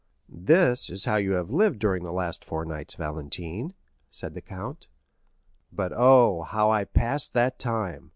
"This is how you have lived during the last four nights, Valentine," said the count. "But, oh, how I passed that time!